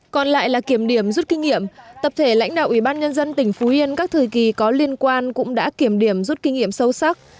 còn lại là kiểm điểm rút kinh nghiệm tập thể lãnh đạo ủy ban nhân dân tỉnh phú yên các thời kỳ có liên quan cũng đã kiểm điểm rút kinh nghiệm sâu sắc